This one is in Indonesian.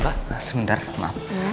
mbak sebentar maaf